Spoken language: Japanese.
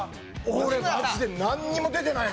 俺マジでなんにも出てないな。